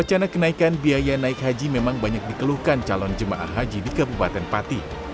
wacana kenaikan biaya naik haji memang banyak dikeluhkan calon jemaah haji di kabupaten pati